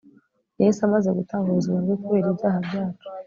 yesu amaze gutanga ubuzima bwe kubera ibyaha byacu